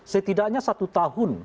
setidaknya satu tahun